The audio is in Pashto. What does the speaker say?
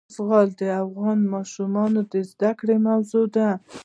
زغال د افغان ماشومانو د زده کړې موضوع ده.